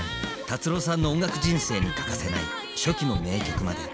達郎さんの音楽人生に欠かせない初期の名曲まで。